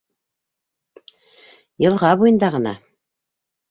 Йылға буйында ғына.